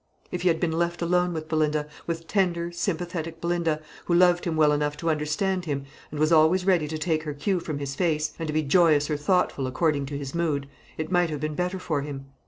If he had been left alone with Belinda, with tender, sympathetic Belinda, who loved him well enough to understand him, and was always ready to take her cue from his face, and to be joyous or thoughtful according to his mood, it might have been better for him.